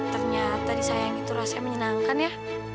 ternyata disayangi itu rasanya menyenangkan ya